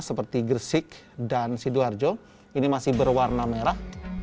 seperti gresik dan sidoarjo ini masih berwarna merah